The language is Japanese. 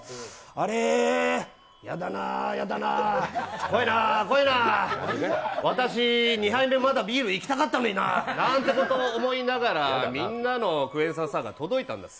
あれ、やだな、やだな、怖いな、怖いな、私、２杯目、まだビールいきたかったのにな、なーんてことを思いながらみんなのクエン酸サワー届いたんです。